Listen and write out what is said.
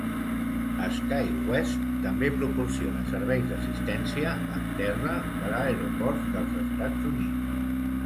SkyWest també proporciona serveis d'assistència en terra per a aeroports dels Estats Units.